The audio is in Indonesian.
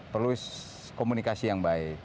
perlu komunikasi yang baik